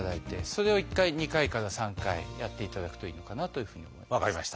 それを１回２回から３回やっていただくといいのかなというふうに思います。